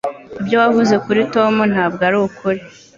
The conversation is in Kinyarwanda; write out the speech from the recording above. Ibyo wavuze kuri Tom ntabwo arukuri